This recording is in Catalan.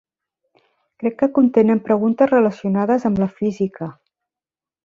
Crec que contenen preguntes relaciones amb la física.